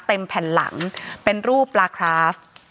แผ่นหลังเป็นรูปปลาคราฟ